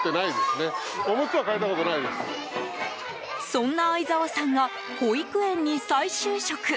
そんな相澤さんが保育園に再就職。